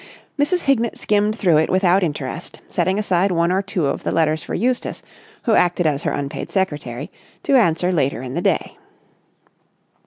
Mrs. Hignett skimmed through it without interest, setting aside one or two of the letters for Eustace, who acted as her unpaid secretary, to answer later in the day.